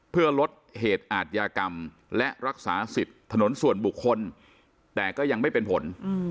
เพื่อลดเหตุอาทยากรรมและรักษาสิทธิ์ถนนส่วนบุคคลแต่ก็ยังไม่เป็นผล